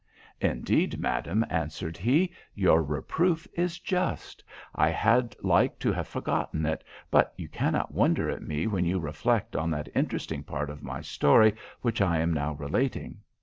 "Indeed, madam," answered he, "your reproof is just; I had like to have forgotten it; but you cannot wonder at me when you reflect on that interesting part of my story which I am now relating.